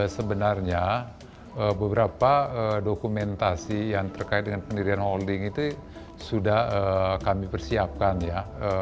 sebenarnya beberapa dokumentasi yang terkait dengan pendirian holding itu sudah kami persiapkan ya